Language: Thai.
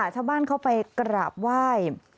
ชาวบ้านเข้าไปกราบไหว้